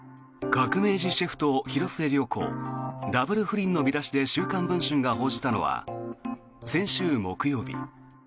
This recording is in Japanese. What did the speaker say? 「“革命児シェフ”と広末涼子Ｗ不倫」の見出しで「週刊文春」が報じたのは先週木曜日。